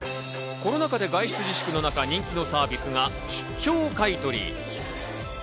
コロナ禍で外出自粛の中、人気のサービスが出張買い取り。